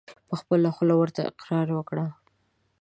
په خپله خوله ورته اقرار وکړه !